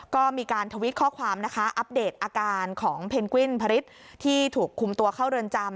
ก็มีการทวิตข้อความนะคะอัปเดตอาการของเพนกวินพริษที่ถูกคุมตัวเข้าเรือนจำ